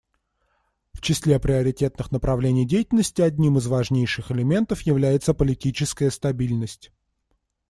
В числе приоритетных направлений деятельности одним из важнейших элементов является политическая стабильность.